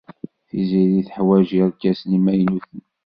Tiziri teḥwaj irkasen imaynuten.